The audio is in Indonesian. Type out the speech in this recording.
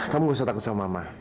kamu gak usah takut sama mama